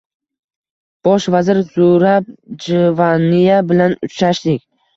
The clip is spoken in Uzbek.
Bosh vazir Zurab Jvaniya bilan uchrashdik